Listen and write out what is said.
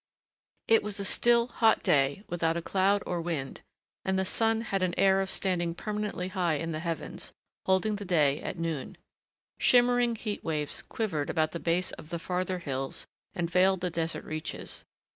It was a still, hot day without cloud or wind and the sun had an air of standing permanently high in the heavens, holding the day at noon. Shimmering heat waves quivered about the base of the farther hills and veiled the desert reaches.